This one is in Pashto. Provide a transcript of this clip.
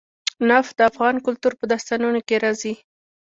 نفت د افغان کلتور په داستانونو کې راځي.